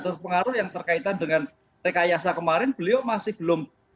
terpengaruh yang terkaitan dengan rekayasa kemarin beliau masih belum